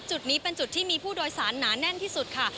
จุดนี้เป็นจุดที่มีผู้โดยสารหนาแน่นที่สุดค่ะ